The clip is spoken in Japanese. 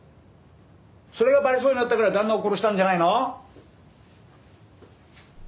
それがバレそうになったから旦那を殺したんじゃないの？